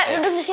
duduk di sini